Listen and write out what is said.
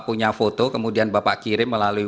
punya foto kemudian bapak kirim melalui